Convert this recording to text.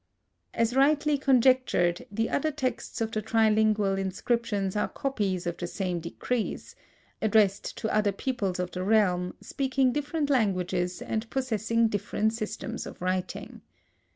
As rightly conjectured, the other texts of the trilingual inscriptions are copies of the same decrees, addressed to other peoples of the realm, speaking different languages and possessing different systems of writing.